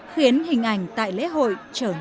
khiến hình ảnh tại lễ hội